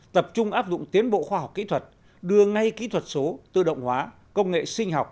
tập trung áp dụng tiến bộ khoa học kỹ thuật đưa ngay kỹ thuật số tự động hóa công nghệ sinh học